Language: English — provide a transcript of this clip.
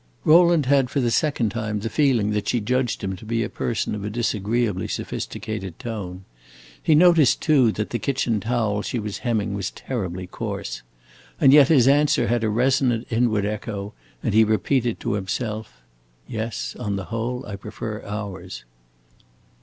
Rowland had for the second time the feeling that she judged him to be a person of a disagreeably sophisticated tone. He noticed too that the kitchen towel she was hemming was terribly coarse. And yet his answer had a resonant inward echo, and he repeated to himself, "Yes, on the whole, I prefer ours."